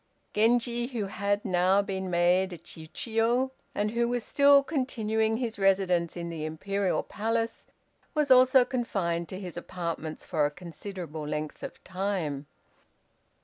Genji, who had now been made a Chiûjiô, and who was still continuing his residence in the Imperial Palace, was also confined to his apartments for a considerable length of time.